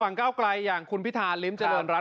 ก้าวไกลอย่างคุณพิธาริมเจริญรัฐ